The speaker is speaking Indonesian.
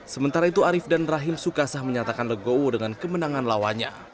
sementara itu arief dan rahim sukasah menyatakan legowo dengan kemenangan lawannya